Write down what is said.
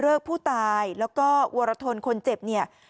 มีการฆ่ากันห้วย